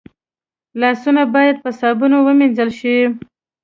لاسونه باید په صابون ومینځل شي